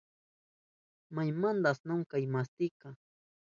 ¿Maymantata asnahun chay mantika?